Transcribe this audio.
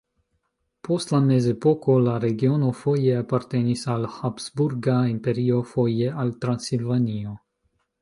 Post la mezepoko la regiono foje apartenis al Habsburga Imperio, foje al Transilvanio.